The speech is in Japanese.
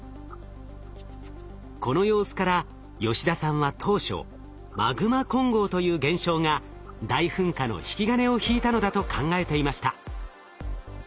この様子から吉田さんは当初マグマ混合という現象が大噴火の引き金を引いたのだと考えていました。